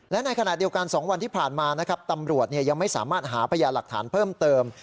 และในขณะเดียวกัน๒วันที่ผ่านมานะครับตำรวจยังไม่สามารถหาพยานหลักฐานเพิ่มเติม